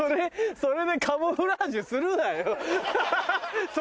それでカムフラージュするなよ。